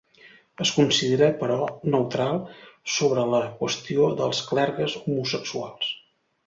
Es considera, però, neutral sobre la qüestió dels clergues homosexuals.